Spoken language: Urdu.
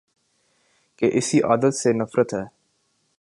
کی اسی عادت سے نفرت ہے